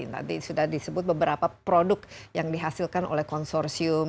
tadi sudah disebut beberapa produk yang dihasilkan oleh konsorsium